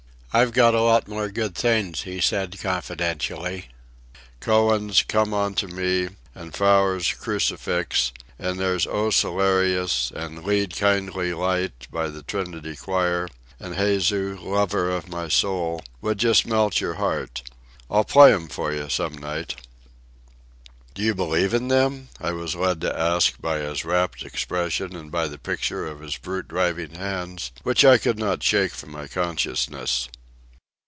"I've got a lot more good things," he said confidentially: "Coenen's 'Come Unto Me,' and Faure's 'Crucifix'; and there's 'O Salutaris,' and 'Lead, Kindly Light' by the Trinity Choir; and 'Jesu, Lover of My Soul' would just melt your heart. I'll play 'em for you some night." "Do you believe in them?" I was led to ask by his rapt expression and by the picture of his brute driving hands which I could not shake from my consciousness.